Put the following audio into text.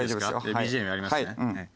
ＢＧＭやりますね。